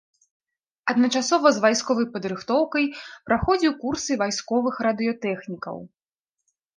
Адначасова з вайсковай падрыхтоўкай праходзіў курсы вайсковых радыётэхнікаў.